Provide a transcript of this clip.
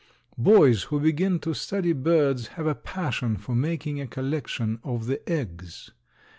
Boys who begin to study birds have a passion for making a collection of the eggs.